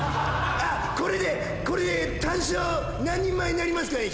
あっこれでこれでタン塩何人前になりますかね？